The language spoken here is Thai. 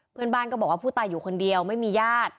เพื่อนบ้านก็บอกว่าผู้ตายอยู่คนเดียวไม่มีญาติ